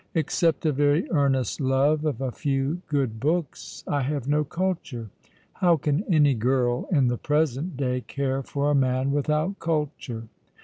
Except a very earnest love of a few good books, I have no culture. How can any girl in the present day care for a man without culture